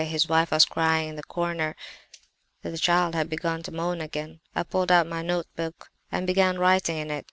His wife was crying in the corner; the child had begun to moan again. I pulled out my note book and began writing in it.